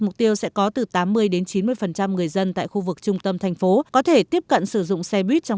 mục tiêu sẽ có từ tám mươi chín mươi người dân tại khu vực trung tâm thành phố có thể tiếp cận sử dụng xe buýt trong